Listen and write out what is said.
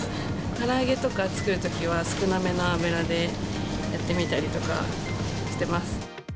から揚げとか作るときは、少なめの油でやってみたりとかしてます。